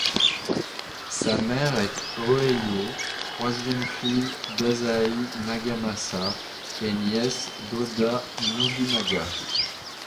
Sa mère est Oeyo, troisième fille d'Azai Nagamasa et nièce d'Oda Nobunaga.